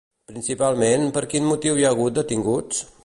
Principalment, per quin motiu hi ha hagut detinguts?